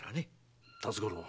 辰五郎